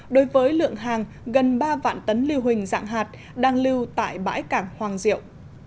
đối với lượng hàng gần ba vạn tấn lưu hình dạng hạt đang lưu tại bãi cảng hoàng diệu